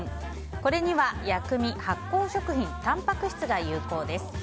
これには、薬味、発酵食品タンパク質が有効です。